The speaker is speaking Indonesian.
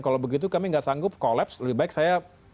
kalau begitu kami tidak sanggup kolaps lebih baik saya